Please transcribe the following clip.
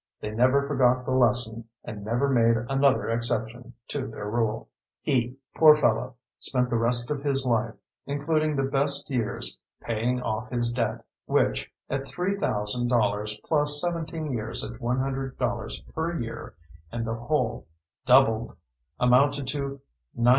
They never forgot the lesson, and never made another exception to their rule. He, poor fellow, spent the rest of his life, including the best years, paying off his debt which, at $3,000 plus 17 years at $100 per year, and the whole doubled, amounted to $9,400.